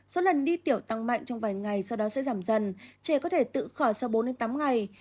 số lần đi tiểu tăng mạnh trong vài ngày sau đó sẽ giảm dần trẻ có thể tự khỏi sau bốn tám ngày